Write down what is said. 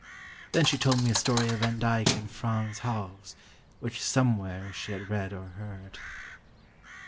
Then she told me a story of Van Dyck and Frans Hals, which somewhere she had read, or heard.